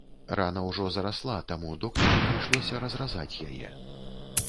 Рана ўжо зарасла, таму доктару прыйшлося разразаць яе.